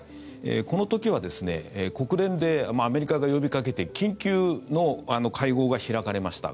この時は国連でアメリカが呼びかけて緊急の会合が開かれました。